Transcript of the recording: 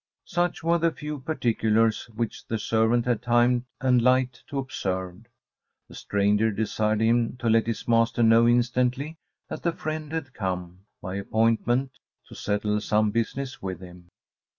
Such were the few particulars which the servant had time and light to observe. The stranger desired him to let his master know instantly that a friend had come, by appointment, to settle some business with him.